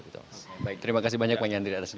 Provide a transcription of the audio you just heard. terima kasih banyak pak yandri atas